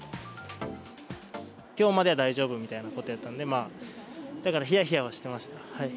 きょうまでは大丈夫みたいなことやったんで、だから、ひやひやはしてました。